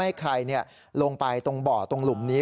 ให้ใครลงไปตรงบ่อตรงหลุมนี้